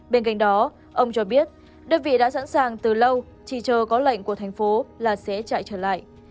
bên cạnh đó ông cho biết đơn vị đã sẵn sàng từ lâu chỉ chờ có lệnh của thành phố là sẽ chạy trở lại